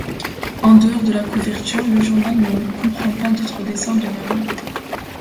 En dehors de la couverture, le journal ne comprend pas d’autres dessins de Mahomet.